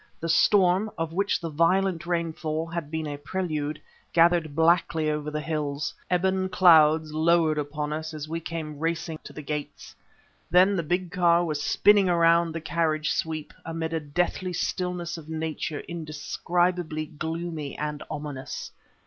The storm, of which the violet rainfall had been a prelude, gathered blackly over the hills. Ebon clouds lowered upon us as we came racing to the gates. Then the big car was spinning around the carriage sweep, amid a deathly stillness of Nature indescribably gloomy and ominous.